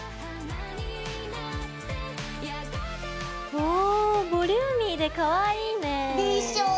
おボリューミーでかわいいね。でしょ。